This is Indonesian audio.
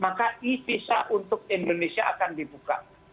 maka e visa untuk indonesia akan dibuka